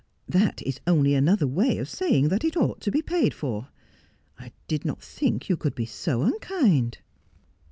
' That is only another way of saying that it ought to be paid for. I did not think you could be so unkind.'